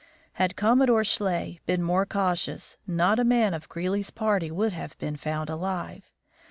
Had Commodore Schley been more cautious, not a man of Greely's party would have been found alive.